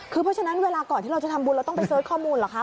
คือเพราะฉะนั้นเวลาก่อนที่เราจะทำบุญเราต้องไปเสิร์ชข้อมูลเหรอคะ